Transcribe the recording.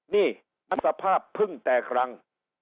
นี่มันสภาพเพิ่งแตกรัง